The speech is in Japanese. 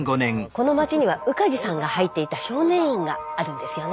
この町には宇梶さんが入っていた少年院があるんですよね。